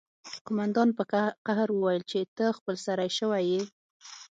قومندان په قهر وویل چې ته خپل سری شوی یې